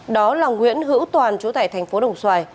đó là nguyễn hữu toàn chủ tài thành phố đồng xoài